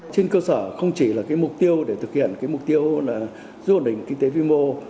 trên cơ sở không chỉ là mục tiêu để thực hiện mục tiêu là giữ ổn định kinh tế vi mô